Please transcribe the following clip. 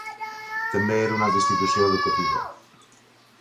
També era una altra institució educativa.